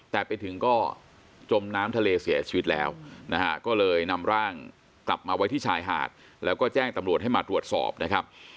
แต่ไปถึงก็จมน้ำทะเลเสียชีวิตแล้วนะฮะก็เลยนำร่างกลับมาไว้ที่ชายหาดแล้วก็แจ้งตำรวจให้มาตรวจสอบนะครับ